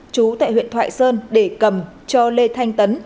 chú tại huyện thoại sơn để cầm cho lê thanh tấn